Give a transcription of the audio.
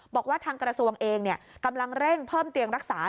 บอกว่าทางกระทรวงเองกำลังเร่งเพิ่มเตียงรักษา